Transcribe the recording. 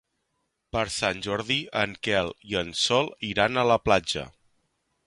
Per Sant Jordi en Quel i en Sol iran a la platja.